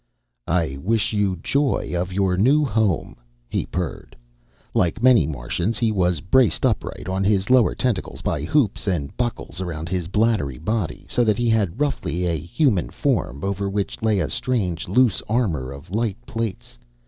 "I wissh you joy of yourr new home," he purred. Like many Martians, he was braced upright on his lower tentacles by hoops and buckles around his bladdery body, so that he had roughly a human form, over which lay a strange loose armor of light plates.